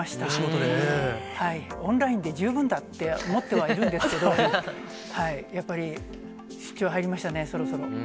オンラインで十分だって思ってはいるんですけれども、やっぱり出張入りましたね、そろそろ。